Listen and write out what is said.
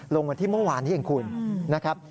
ลงวันที่เมื่อวานนี้เองคุณนะครับ